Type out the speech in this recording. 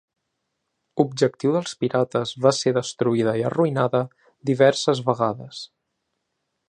Objectiu dels pirates va ser destruïda i arruïnada diverses vegades.